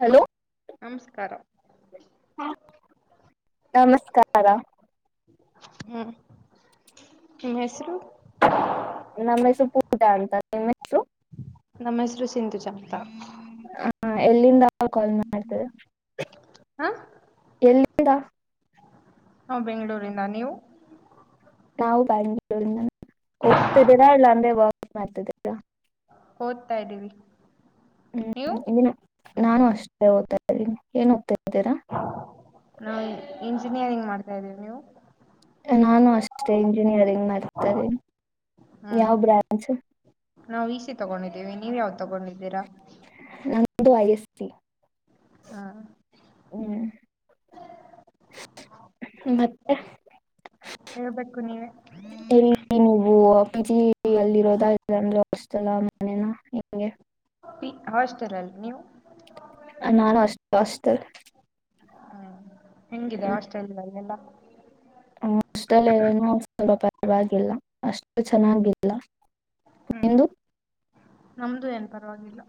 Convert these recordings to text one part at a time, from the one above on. Hello. ನಮಸ್ಕಾರ. ನಮಸ್ಕಾರ. ಹ್ಮ್ ನಿಮ್ಮ ಹೆಸರು [unintelligible] ನಮ್ಮ ಹೆಸರು ಪೂಜಾ ಅಂತದೆ ನಿಮ್ಮ ಹೆಸರು [unintelligible] ನಮ್ಮ ಹೆಸರು ಸಿಂಧುಜಾ ಅಂತ [unintelligible] ಹ ಎಲ್ಲಿಂದ ಕಾಲ್ ಮಾಡ್ತದೆ ಹಾ ಎಲ್ಲಿಂದ. ಹಾ ಬೆಂಗಳೂರಿಂದ ನೀವು. ನಾವು ಬೆಂಗಳೂರಿಂದ ಓದ್ತಿದ್ದೀರಾ ಅಲ್ಲ ಅಂದ್ರೆ ವರ್ಕ್ ಮಾಡ್ತಿದ್ದೀರಾ. ಓದ್ತಾ ಇದ್ದೀರಿ ಹ್ಮ್ ಇ ನಾನು ಅಷ್ಟೇ ಓ್ತಾ ಇದ್ದೀನಿ ಏನ್ ಓತ್ತಿದ್ದೀರಾ ನಾವು ಇಂಜಿನಿಯರಿಂಗ್ ಮಾಡ್ತಾ ಇದ್ದೀವಿ. ನೀವು, ನಾನು ಅಷ್ಟೇ ಇಂಜಿನಿಯರಿಂಗ್ ಮಾಡ್ತಾ ಇದೀನಿ. ಹ್ಮ್ ಯಾವ ಬ್ರಾಂಚ್, ನಾವು ಈಸಿ ತಗೊಂಡಿದ್ದೀವಿ ನೀವ್ ಯಾವ್ದ್ ತಗೊಂಡಿದ್ದೀರಾ. ನಮದ್ದು ಐಸ್ಸಿ ಹಾ, ಹ್ಮ್, ಮತ್ತೆ. ಹೇಳ್ಬೇಕು ನೀವೆ ಇಲ್ಲಿ ನೀವು ಪಿಜಿಲಿ ಇರೋದ ಇಲ್ಲ ಹಾಸ್ಟೆಲ್ ಹಾ ಮನೇನಾ, ಹಾಸ್ಟೆಲ್ ಅಲ್ಲಿ ನೀವು, ನಾನು ಅಷ್ಟ ಹಾಸ್ಟೆಲ್. ಹ್ಮ ಹೆಂಗಿದೆ ಹಾಷ್ಟೆಲ್ ಅಲೆಲ್ಲಾ, [unintelligible] ಹ ಹಾಸ್ಟೆಲ್ ಪರವಾಗಿಲ್ಲ ಅಷ್ಟು ಚೆನ್ನಾಗಿಲ್ಲ ಹ್ಮ್ ನಿಮದ್ದು. ನಮ್ದು ಏನ್ ಪರವಾಗಿಲ್ಲ.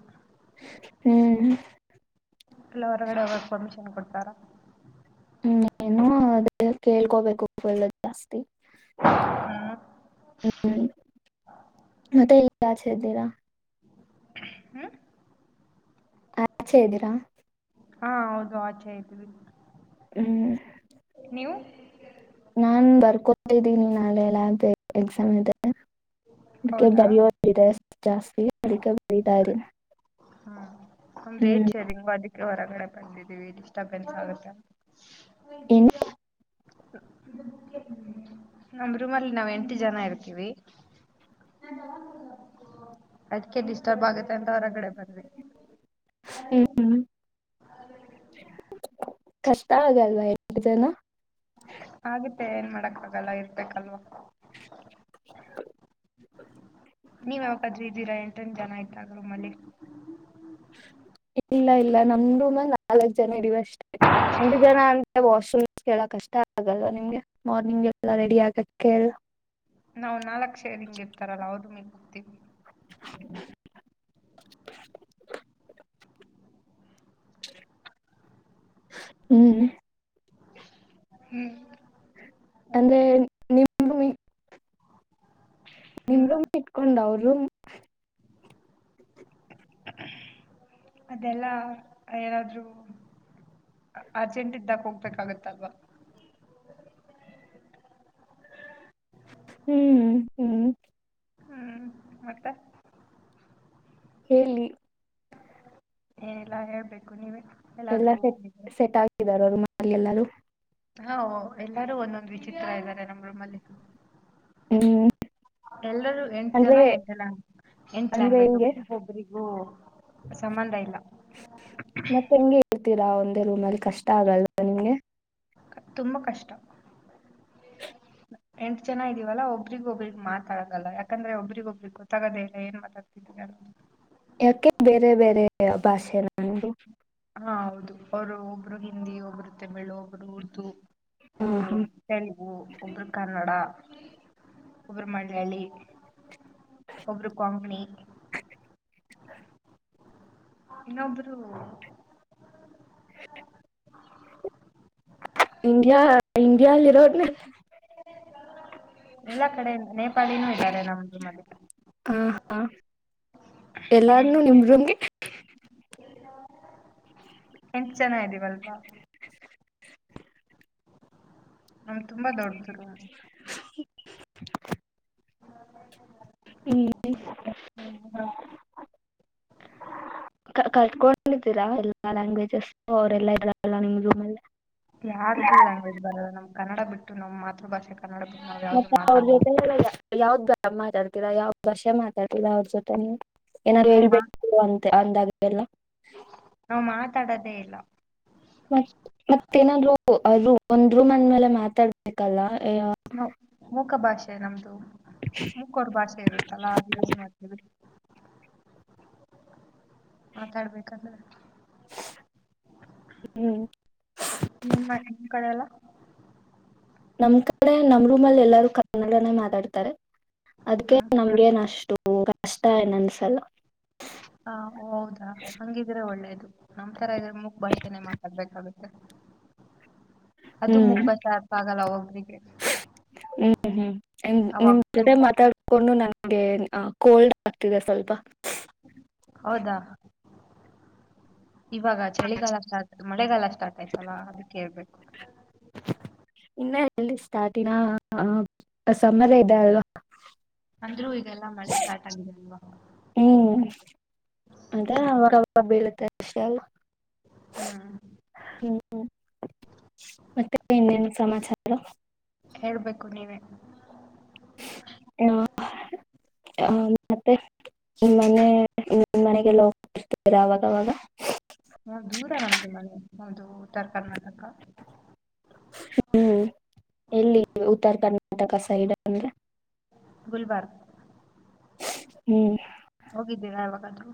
ಹ್ಮ್. ಎಲ್ಲ ಹೊರಗಡೆ ಹೋಗಕ ಪರ್ಮಿಷನ್ ಕೊಡತ್ರ್ ಹ್ಮ್ ಏನು ಅದೇ ಕೇಳ್ಕೋಬೇಕು ಫುಲ್ ಜಾಸ್ತಿ. ಹ್ಮ್ ಹ್ಮ್ ಮತ್ತೆ ಈಗ ಆಚೆ ಇದ್ದೀರಾ, ಹ್ಮ್ ಆ ಆಚೆ ಇದ್ದೀರಾ, ಹಾ ಹೌದು ಆಚೆ ಇದ್ವಿ. ಹ್ಮ್. ನೀವು, ನಾನ್ ಬರ್ಕೊತಿದ್ದೀನಿ ನಾಳೆ ಲ್ಯಾಬ್ದು ಎಕ್ಸಾಮ್ ಇದೆ ಅದ್ಕೆ ಹೌದಾ ಬರಿಹೋ ಇದೆ ಜಾಸ್ತಿ ಅದ್ಕೆ ಬರೀತಾ ಇಧಿನಿ. ಹಾ, ನಮ್ದು ಎಟ್ ಶೇರಿಂಗ್ ಅದಕ್ಕೆ ಹೊರಗಡೆ ಬಂದಿದ್ದೀವಿ ಡಿಸ್ಟರ್ಬೆನ್ಸ್ ಆಗುತ್ತೆ, ಏನ್, ನಮ ರೂಮ್ ಅಲ್ಲಿ ನಾವ್ ಎಂಟು ಜನ ಇರ್ತೀವಿ. [inaudible] ಅದ್ಕ್ಕೆ ಡಿಸ್ಟರ್ಬ್ ಆಗುತ್ತೆ ಅಂತ ಹೊರಗಡೆಬಂದ್ವಿ. ಹ್ಮ್ ಹ್ಮ್ ಕಷ್ಟ ಆಗಲ್ವಾ ಎಂಟ್ ಜನ. ಆಗತ್ತೆ ಏನ್ ಮಾಡಕ್ ಆಗಲ್ಲ ಇರ್ಬೇಕಲ್ವಾ, [inaudible] ನೀವ್ ಯಾವಕಾದ್ರ ಇದ್ದೀರಾ ಎಂಟಂದ ಜನ ಆಯ್ತ ರೂಮಲ್ಲಿ, ಇಲ್ಲ ಇಲ್ಲ ನಮ್ ರೂಮಲ್ಲಿ ನಾಲ್ಕಕ್ ಜನ ಇದೀವಿ ಅಷ್ಟೇ, ಎಂಟ್ ಒಂದು ಜನ ಅಂದ್ರೆ ವಾಶ್ರೂಮ್ ಗೆಲ್ಲ ಕಷ್ಟ ಆಗಲ್ಲ ನಿಮ್ಗೆ ಮಾರ್ನಿಂಗ್ ಎಲ್ಲ ರೆಡಿ ಆಗಕ್ಕೆ, ನಾವು ನಾಲ್ಕುೇ ಹಿಂಗ್ ಇರ್ತಾರಲ್ಲಾ ಅವರು ರೂಮ್ಗೆ ಹೋಗತೀವಿ. [inaudible] ಹ್ಮ್, ಹ್ಮ್, ಮತ್ತೆ ಅಂದ್ರೆ ನಿಮ್ಮ [unintelligible] ಇಟ್ಕೊಂಡು ಅವ್ರ್ ರೂಮ್ [unintelligible] ಅದೆಲ್ಲಾ ಯಾರ್ದ್ರು ಅರ್ಜೆಂಟ್ ಇದ್ದಾಗ ಹೋಗ್ಬೇಕಾಗತ್ತಲ್ವಾ [unintelligible] ಹ್ಮ್ ಹ್ಮ್ [unintelligible] ಹ್ಮ್ ಮತ್ತೆ ಹೇಳಿ ಏನಲ್ಲಾ ಹೇಳ್ಬೇಕು ನೀವೇ ಎಲ್ಲ ಎಲ್ಲಾದ್ರೂ ಸೆಟ್ ಹೋಗಿದ್ರ ಸೆಟ್ ಆಗಿದ್ದಾರೆ ಅವರು ಮ ಎಲ್ಲಾರೂ ಹಾ ಎಲ್ಲಾರೂ ಒಂದೊಂದ್ ವಿಚಿತ್ರ ಇದ್ದಾರೆ ನಮ್ಮ ರೂಮಲ್ಲಿ ಹ್ಮ್ ಎಲ್ಲರೂ ಎಂಟು ಜನ ಅಂದ್ರೆ ಎಂಟು ಲ್ಯಾಂಗ್ ಎಂಟು ಅಂದ್ರೆ ಲ್ಯಾಂಗ್ವೇಜ್ ಹೆಂಗೆ ಒಬರಿಗೊಬರಿಿಗೂ ಸಂಬಂಧ ಇಲ್ಲ ಮತ್ತೆ ಹೆಂಗೆ ಇರ್ತೀರಾ ಒಂದೇ ರೂಮ್ ಅಲ್ಲಿ ಕಷ್ಟ ಆಗಲ್ ನಿಮಗೆ ತುಂಬಾ ಕಷ್ಟ ಹ ಎಂಟ್ ಜನ ಇದವಲ್ಲ ಒಬರಿಗ್ ಒಬ್ಬ್ರಗ್ ಮಾತಾಡಾಗಲ್ಲ ಯಾಕಂದ್ರೆ ಒಬರಿಗ್ ಒಬ್ಬಿಗೆ ಗೊತ್ತಾಗದೇಲ್ಲ ಏನ್ ಮಾತಾತತಿ [inaudible] ಯಾಕೆ ಬೇರೆ ಬೇರೆ ಭಾಷೆಲ್ಲದು ಹಾ ಹೌದು ಅವರು ಒಬ್ರು ಹಿಂದಿ ಒಬ್ರು ತಮಿಳ್ ಒಬ್ರು ಉರ್ದು ಹಾ ಒಬ್ರು ಹಾ ತೆಲುಗು ಒಬ್ರು ಕನ್ನಡ ಒಬ್ಬರು ಮಳ್ಳಳ್ಳಿ ಒಬರು ಕೊಂಗಣಿ ಇನ್ನೊಬ್ರು ಇಂಡಿಯಾ ಇಂಡಿಯಲ್ಲಿರೋಡ್ ಎಲ್ಲಾ ಕಡೆಲ್ಲ ನೇಪಾಳಿನೂ ಇದ್ದಾರೆ ನಮ್ದೂ ಮಲ್ಲಿ ಎಲ್ಲಾರ್ನುೂ ನಿಮಮ್ಗೆ ಎಂಟು ಜನ ಇದ್ದೀವಲ್ವ ನಮ್ ತುಂಬಾ ದೊಡ್ಡದರು [unintelligible] ಹ್ಮ ಹ ಕಟ್ಕೊಂಡಿದ್ದೀರಾ ಎಲ್ಲಾ ಲ್ಯಾಂಗ್ವೇಜಸ್ ಅವರೆಲ್ಲಾ ಇದ್ರಾರಲ್ಲ ನಿಮ್ಮ ಯಾರ್ದುಲ್ಯಾಂಗ್ವೇಜ್ ಬರಲ್ಲ ನಮ್ ಕನ್ನಡ ಬಿಟ್ಟ ನಮ್ ಮಾತೃ ಭಾಷೆ ಮತ್ತೆ ಅವ್ರ ಜೊತೆ ಎಲ್ಲ ಯಾವ್ದ್ ಬ ಮಾತಾಡ್ತಿರಾ ಯಾವ್ದ್ ಭಾಷೆ ಮಾತಾಡ್ತಿರಾ ಅವ್ರ ಜೊತೆ ನೀ ಏನಾದ್ರು ನಾವ್ ಹೇಳ್ಬೇಕು ಹ ಅಂತೆ ಅಂದಾಗ ಎಲ್ಲ ನಾ್ ಮಾತಾಡೋದೇ ಇಲ್ಲ ಮತ್ ಮತ್ತೇನಾದ್ ಒಂದ್ ರೂಮ್ ಅಂದ್ಮೇಲೆ ಮಾತಾಡ್ಬೇಕಲ್ಲ ನ ಮುಖ ಭಾಷೆ ನಮ್ದು ಹ ಮುಕ್ಕೋರು ಭಾಷೆ ಇರುತ್ತಲ್ಲಾ ಅದು ಯೂಸ್ ಮಾಡ್ತೀನಿ ಮಾತಾಡ್ಬೇಕಂದ್ರ ಹ್ಮ್. ನಿಮ್ಮ್ ನಿಮ್ಮ್ ಕಡೆ ಎಲ್ಲ ನಮ್ ಕಡೆ ನಮ್ ರೂ್ಲ್ಲಿ ಎಲ್ಲಾರೂ ಕನ್ನಡನೇ ಮಾತಾಡ್ತಾರೆ ಅದ್ಕ್ಕೆ ಹ್ಮ್ ನಮ್ಗೇನ್ ಅಷ್ಟು ಕಷ್ಟ ಏನ್ನ್ಸಲ್ಲ ಹಾ ಹೌದಾ ಹಂಗಿದ್ರೆ ಒಳ್ಳೇದು ನಮ್ ತರ ಇದ್ರೆ ಮುಕ್ ಭಾಷೆನೇ ಮಾತಾಡ್ಬೇಕಾಗಬೇಕೆ [inaudible] ಅದು ಮುಪ್ಪ ಸಾರ್ಪ ಆಗಲ್ಲ ಒಬ್ರಿಗೆ. ಹ್ಮ್ ಹ್ಮ್ ನಿಮ್ ಅವಾಗ ನಿಮ್ಮ್ ಕಡೆ ತುಂಬಾ ಮಾತಾಡ್, ಗುಂಡು ನಂಗೆ ಆ ಕೋಲ್ಡ್ ಆಗ್ತಿದೆ ಸ್ವಲ್ಪ [unintelligible] ಹೌದಾ.. ಇವಾಗ ಚಳಿಗಾಲ ಸ್ಟಾರ್ಟ್ ಮಳೆಗಾಲ ಸ್ಟಾರ್ಟ್ ಆಯ್ತಲ್ಲಾ ಅದಕ್ಕೆ ಇರಬೇಕ ಇನ್ನ ಎಲ್ಲಿ ಸ್ಟಾರ್ಟ ಇಲ್ಲ ಸಮರ ಇದೆ ಅಲ್ವಾ? ಅಂದ್ರೂ ಈಗೆಲ್ಲಾ ಮಳೆ ಸ್ಟಾರ್ಟ್ ಆಗಿದೆಲ್ವಾ? ಹ್ಮ್ ಅದೆ ಅವಾಗ ಅವಾಗ್ ಬೀಳುತ್ತೆ ವಿಷಲ್. ಹ್ಮ್ ಹ್ಮ [inaudible] ಮತ್ತೆ ಇನ್ನೇನ ಸಮಾಚಾರ. [inaudible] ಹೇಳ್ಬೇಕು ನೀವೇ. ನಾ [unintelligible] ಹ ಮತ್ತೆ. ನಿಮ್ಮ್ ಮನೆ ನಿಮ್ಮ ಮನೆಗೆಲ್ಲ ಹೋಗತಾ ಇರತಿರಾ ಅವಾಗ ಅವಾಗ್ ಹಾ ದೂರ ನಂದು ಮನೆ ಅದು ಉತ್ತರ ಕರ್ನಾಟಕ. ಹ್ಮ್ ಎಲ್ಲಿ ಉತ್ತರ ಕರ್ನಾಟಕ ಸೈಡ್ ಅಂದ್ರೆ. ಗುಲ್ಬರ್ಗ್. [unintelligible] ಹ್ಮ್ ಹೋಗಿದ್ದೀರಾ ಯಾವಾಗಾದ್ರೂ.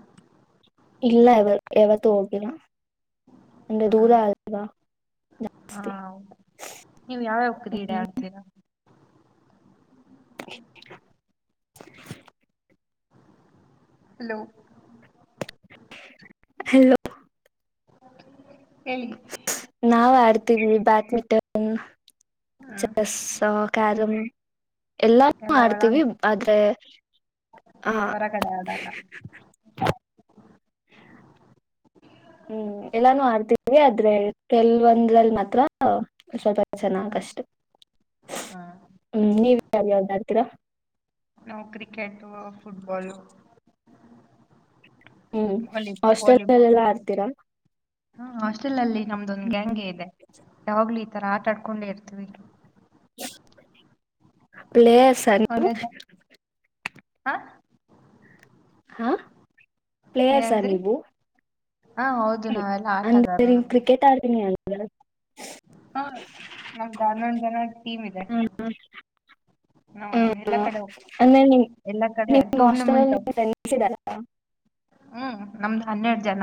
ಇಲ್ಲ ಯ ಯಾವತ್ತುೂ ಹೋಗಿಲ್ಲ ಅಂದ್ರೆ ಹಾ ದೂರ ಅಲ್ವಾ? ಹಾ ಜಾಸ್ತಿ ನೀವ ಯಾವ್ಯಾವ ಕ್ರೀಡೆ ಆಡ್ತೀರಾ? [inaudible] ಹಲೋ ಹಲೋ [unintelligible] ಏಯ್ಯ್ ನಾವ್ ಆಡ್ತಿದ್ವಿ ಬ್ಯಾಡ್ಮಿಂಟನ ಹ್ಮ್ ಚೆಸ್ ಕ್ಯಾರಮ್. ಎಲ್ಲನು ಎಲ್ಲ ಮಾಡ್ತೀವಿ ಒಳಾಂಗ ಆದ್ರೆ ಹ ಹೊರಗಡೆ ಆಡಲ್ಲ [unintelligible] ಹ್ಮ್ ಎಲ್ಲಾನು ಆಡ್ತೀವಿ ಆದ್ರೆ ಕೆಲ್ವೊಂದ್ರಲ್ಲಿ ಮಾತ್ರ ಸ್ವಲ್ ಹ್ಮ್. ಚೆನ್ನಾಗಷ್ಟ [unintelligible] ಹ್ಮ್. ಹ್ಮ ನೀವ ಯಾವುದ್ ಯಾವ್ದ್ ಆಡ್ತೀರಾ.. ನಾವು ಕ್ರಿಕೆಟ್ ಫುಟ್ಬಾಲು. ಹ್ಮ್ ಹಾಸ್ಟೆಲ್ ಅಲ್ಲಿ ಎಲ್ಲಾ ಆಡ್ತೀರಾ. ಹಾ ಹಾಸ್ಟೆಲ್ ಅಲ್ಲಿ ನಮ್ಮೂದೊಂದ್ ಗ್ಯಾಂಗ್ ಇದೆ ಯಾವಾಗ್ಲ ಈ ತರ ಆಟ ಆಡ್ಕೊಂಡೆ ಇರ್ತೀವಿ. [unintelligible] ಪ್ಲೇಸ್ ಅಲ್ಲಿ ಒಂದೇ [unintelligible] ಹಾ ಹಾ [inaudible] ಪ್ಲೇಯರ್ಸಾ ಏನಂದ್ರಿ ನೀವು. ಹಾ ಹೌದು ನಾವೆಲ್ಲಾ ಅಂದ್ರೆ ಆಟಗಾರರು. [unintelligible] ಹ ನಮದ ಹನ್ನೊಂದ್ ಜನ ಟೀಮ್ ಇದೆ. [unintelligible] ಹು ಎಲ್ಲ ಕಡೆ ಹೋಗ ಅಂದ್ರೆ ನಿಮ್ [inaudible] ಎಲ್ಲಾ ಕಡೆ ನಿಮ್ ಹಾಸ್ಟೆಲ್ ಟೂರ್ನಮೆಂಟ್ಹ ಅಲ್ಲಿ ನಿಮ್ ಹೋಗತಿನಿ ಫ್ರೆಂಡ್ಸ್ ಇದಾರಾ ಹ್ಮ್ ನಮ್ದ್ ಹನ್ನೆರಡ ಜನ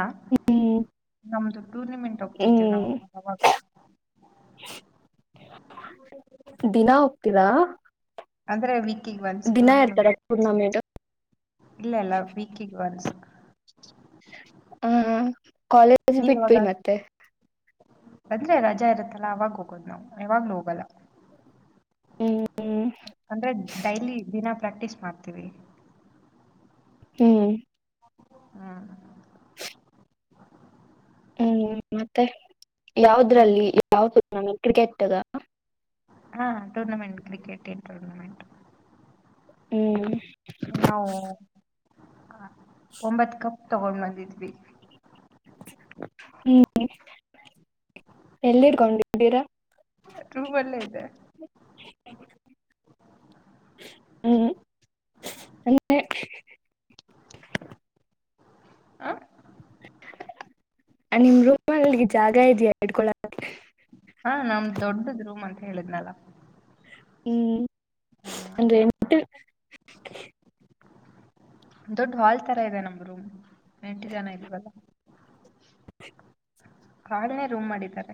ಹ್ಮ್ [unintelligible] ನಮ್ದು ಟೂರ್ನಮೆಂಟ್ ಹೋಗ್ತಿರ್ತೇವಿ ಹ್ಮ್ ಆವಾಗ. [unintelligible] ದಿನಾ ಹೋಗ್ತೀರಾ? ಅಂದ್ರೆ ವೀಕಿಗೆ ಒನ್ಸ್ ದಿನಾ ಟೂರ್ನಿಮೆಂಟ್ ಇರ್ತಾರ ಟೂರ್ನಮೆಂಟ್ [inaudible] ಇಲ್ಲ ಇಲ್ಲ ವೀಕಿಗೆ ಒನ್ಸ್. ಹ್ಮ್ಮ್ ಹ್ಮ್ಮ್ ಕಾಲೇಜ್ ನೀವ್ ಇವಾಗ ಬಿಟ್ಬ ಮತ್ತೆ. ಅಂದ್ರೆ ರಜಾ ಇರತ್ತಲ್ಲ ಅವಾಗ ಹೋಗೋದ್ ನಾವ್ ಯಾವಾಗ್ಲೂ ಹೋಗಲ್ಲ. ಹ್ಮ್ ಅಂದ್ರೆ ಡೈಲಿ ದಿನಾ ಪ್ರಾಕ್ಟೀಸ್ ಮಾಡ್ತೀವಿ. [inaudible] ಹೂ ಹಾ [inaudible] ಹೂ ಮತ್ತೆ ಯಾವದ್ರಲ್ಲಿ ಯಾವ ನಮ್ಮ ಕ್ರಿಕೆಟ ಅದ, [inaudible] [unintelligible] ಹಾ ಹಂತದ ಏನ್ ಕ್ರಿಕೆಟ್ ಏನ್ ಟೂರ್ನಮೆಂಟ್ [inaudible] ಹೂ [inaudible] ನಾವು ಒಂಬತ್ ಕಪ್ ತಗೊಂಡ್ ಬಂದಿದ್ವಿ. [inaudible] ಹೌದಾ [inaudible] ಎಲ್ಲಿರ್ಕೊಂಡ್ಡಿರಾ? ರೂಮಲ್ಲೇ ಇದೆ [inaudible] ಹು [inaudible] [unintelligible] ಆ [inaudible] [unintelligible] ನನ್ನ ರೋಮಲ್ಲಿ ಜಾಗ ಇದೆಯಾ ಇಡ್ಕೊಳ [inaudible] [unintelligible] [inaudible] [unintelligible] ಹಾ ನಮ್ದ್ ದೊಡ್ಡದ್ ರೂಮ್ ಅಂತ ಹೇಳಿದ್ನಲ್ಲ? [inaudible] ಹೂ ಹಾ [inaudible] ದೊಡ್ಡ ಹಾಲ್ ತರ ಇದೆ ನಮ್ಮ ರೂಮ್ [inaudible] ಎಂಟು ಜನ ಇದೀವಿ ಅಲ್ಲಾ? [inaudible] ಕಾಡಲೇ ರೂಮ್ ಮಾಡಿದ್ದಾರೆ.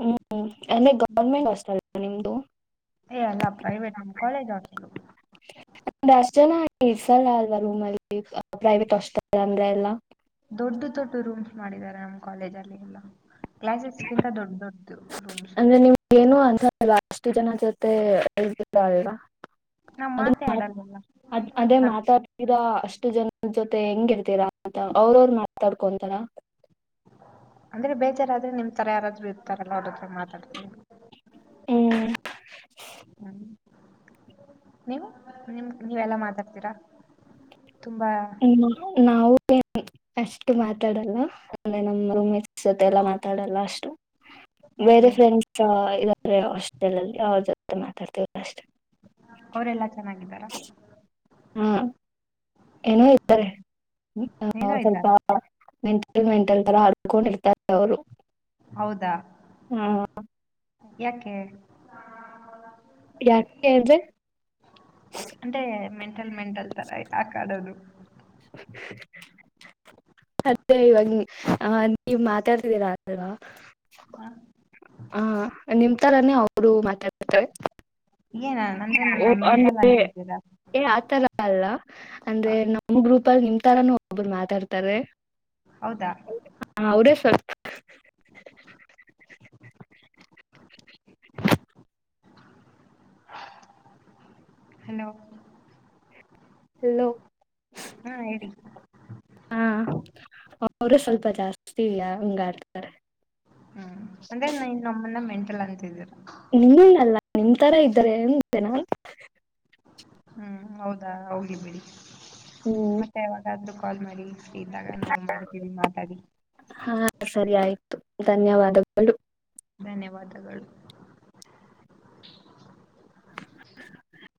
ಹೂ ಅಂದರೆ ಗೌರ್ಮೆಂಟ್ ಹಾಸ್ಪೆಲ್ ನಿಮ್ದು? [inaudible] [unintelligible] ಏ ಅಲ್ಲ ಪ್ರೈವೇಟ್ ನಮ್ಮ ಕಾಲೇಜ್ ಹಾಸ್ಟೆಲೂ [inaudible] ಅಷ್ಟ ಜನ ಇರಸಲ್ಲ ಅಲ್ವಾ ರೂಮ್ ಅಲ್ಲಿ ಪ್ರೈವೇಟ್ ಹಾಸ್ಪೆಟಲ್ ಅಂದ್ರೆ ಎಲ್ಲ? [inaudible] [unintelligible] ದೊಡ್ಡ ದೊಡ್ಡ ರೂಮ್ಸ್ ಮಾಡಿದ್ದಾರೆ ನಮ್ಮ ಕಾಲೇಜ್ ಅಲ್ಲಿ ಎಲ್ಲಾ [inaudible] ಕ್ಲಾಸಸ್ಗಿಂತ ದೊಡ್ಡ ದೊಡ್ಡ್ದ ರೂಮ್ಸ [inaudible] ಅಂದ್ರೆ ನಿಮ್ಗೆ ಏನು ಅನ್ಸೋಲ ಅಷ್ಟು ಜನ ಜೊತೆ ಇದೀರಿ ಅಲ್ವಾ? [inaudible] [unintelligible] ನಾವ್ ಅದು ಮಾತೇ ಆಡಲ್ವಲ್ಲ ಅದ ಅದೇ ನಾನ್- ಮಾತಾಡ್ [inaudible] [unintelligible] ಇದ ಅಷ್ಟು ಜನ ಜೊತೆ ಹೆಂಗಿರ್ತೀರಾ ಅಂತ ಅವ್ರ ಅವ್ರ ಮಾತಾಡ್ಕೊಂತಾರ? [inaudible] [unintelligible] ಅಂದ್ರೆ ಬೇಜಾರಾದ್ರೆ ನಿಮ್ಮ ತರಾ ಯಾರಾದ್ರು ಇರ್ತಾರಲ್ಲ ಅವ್ರತ್ರ ಮಾತಾಡ್ತವಿ. [inaudible] ಹ್ಮ್ ಹ [inaudible] ನೀವು ನಿಮ್ಮ ನೀವೆಲ್ಲಾ ಮಾತಾಡ್ತೀರಾ ತುಂಬಾ [inaudible] ಹೂ ನಾವು ಅಷ್ಟು ಮಾತಾಡಲ್ಲ? [inaudible] ಆಮೇಲೆ ನಮ್ಮ ರೋಮೆಟಸ ಜೊತೆ ಎಲ್ಲ ಮಾತಾಡಲ್ಲ ಅಷ್ಟು. [inaudible] ಬೇರೆ ಯಾಕೆ? ಫ್ರೆಂಡ್ಸ್ ಆ ಇದಾರೆ ಹಾಸ್ಟೆಲ್ ಅಲ್ಲಿ ಅವ್ರ ಜೊತೆ ಮಾತಾಡ್ತಿವಲ್ಲ ಅಷ್ಟೆ. [inaudible] ಅವರೆೆಲ್ಲಾ ಚೆನ್ನಾಗಿದ್ದಾರ? [inaudible] ಹೂ [inaudible] ಏನೋ ಇರ್ತಾರೆ ನೀನು ಸ್ವಲ್ಪ ಇದ್ದಾರಾ ಮೆಂಟಲ್ ಮೆಂಟಲ್ ತರ ಆಡ್ಕೊಂಡಿರ್ತಾರೆ. [inaudible] [unintelligible] ಅವರು [inaudible] ಹೌದಾ ಆ ಯಾಕೆ? [inaudible] ಯಾಕೆ ಅಂದ್ರೆ? [inaudible] ಅಂದರೇ ಮೆಂಟಲ್ ಮೆಂಟಲ್ ತರ ಯಾಕಾ ಆಡೋದು. [inaudible] [inaudible] ಮತ್ತೆ ಇವಾಗ ನೀ ನೀವ್ ಮಾತಾಡ್ತಿದ್ದೀರಾ ಅಲ್ವಾ? [inaudible] [unintelligible] ಆ [inaudible] ಆ ನಿಮ್ಮ ತರಾನೇ ಅವರು ಮಾತ್ತಾಡತಾರೆ. [inaudible] ಏನು ಅಂದರೆ ಓ ನನ್ನ ಮೆಂಟಲ್ ಅಂದರೆ ಅಂತಿದ್ದೀರಾ ಏ ಆತರ ಅಲ್ಲ ಅಂದ್ರೆ ಹಾಂ ಏನೋ [inaudible] ನಮ್ಮ ಗ್ರೂಪಲ್ಲಿ ನಿಮ್ಮ ತರಾನು ಒಬ್ಬರು ಮಾತಾಡ್ತಾರೆ. ಹೌದಾ. ಹ ಅವ್ರೇ. [unintelligible] ಹಲೋ. ಹಲೋ. ಹಾ ಹೇಳಿ. ಹಾ ಅವರೇ ಸ್ವಲ್ಪ ಜಾಸ್ತಿ ಇಲ್ಲ ಹಂಗಾ ಆಡ್ತಾರೆ. ಹ್ಮ್ ಅಂದ್ರೆ ನೀವ ನಮ್ಮನ್ನ ಮೆಂಟಲ್ ಅಂತಿದೀರ. ನಿಮ್ಮನ ಅಲ್ಲ ನಿಮ್ಮ ತರ ಇದ್ದರೆ ಅಂದೇ ನಾನ. ಹ್ಮ್ ಹೌದಾ ಹೋಗಲಿ ಬಿಡಿ ಹ್ಮ್ ಮತ್ತೆ ಯಾವಾಗಾದ್ರೂ ಕಾಲ್ ಮಾಡಿ. ಫ್ರೀ ಇದ್ದಾಗ ನಾವು ಮಾಡ್ತೀವಿ ಮಾತಾಡಿ. ಹಾ ಸರಿ ಆಯ್ತು ಧನ್ಯವಾದಗಳು. ಧನ್ಯವಾದಗಳು. [inaudible]